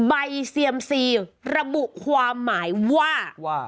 เซียมซีระบุความหมายว่า